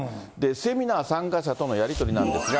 セミナー参加者とのやり取りなんですが。